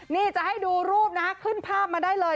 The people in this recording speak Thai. นี่จะให้ดูรูปนะขึ้นภาพมาได้เลย